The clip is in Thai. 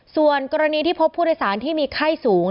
ส่วนกรณีที่พบผู้โดยสารที่มีไข้สูง